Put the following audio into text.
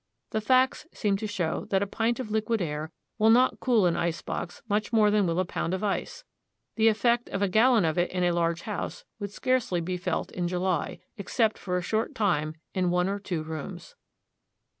The facts seem to show that a pint of liquid air will not cool an ice box much more than will a pound of ice. The effect of a gallon of it in a large house would scarcely be felt in July, except for a short time in one or two rooms.